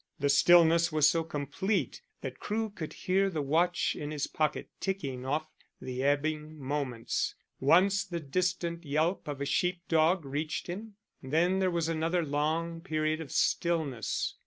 The stillness was so complete that Crewe could hear the watch in his pocket ticking off the ebbing moments. Once the distant yelp of a sheep dog reached him, then there was another long period of stillness.